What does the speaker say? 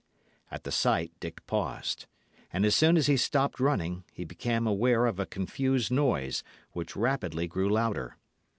At the sight Dick paused; and as soon as he stopped running, he became aware of a confused noise, which rapidly grew louder.